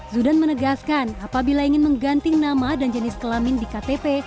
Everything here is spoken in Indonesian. zudan menegaskan apabila ingin mengganting nama dan jenis kelamin di ktp